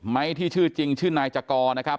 ที่ชื่อจริงชื่อนายจกรนะครับ